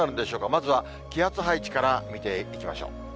まずは気圧配置から見ていきましょう。